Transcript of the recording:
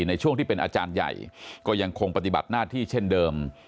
ในช่วงที่เป็นอาจารย์ใหญ่ก็ยังคงปฏิบัติหน้าที่เช่นเดิม